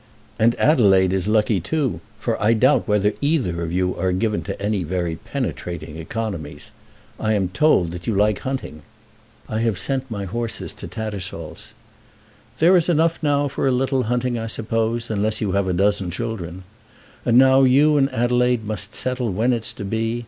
"And Adelaide is lucky, too, for I doubt whether either of you are given to any very penetrating economies. I am told that you like hunting." "I have sent my horses to Tattersall's." "There is enough now for a little hunting, I suppose, unless you have a dozen children. And now you and Adelaide must settle when it's to be.